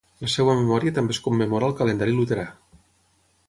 La seva memòria també es commemora al calendari luterà.